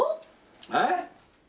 えっ？